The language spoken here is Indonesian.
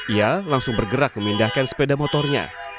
ia langsung bergerak memindahkan sepeda motornya